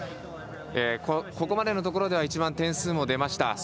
ここまでのところでは一番点数も出ました。